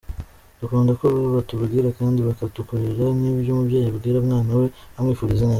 Dukunda ko batubwira kandi bakadukorera nk’ibyo umubyeyi abwira umwana we , amwifuriza ineza.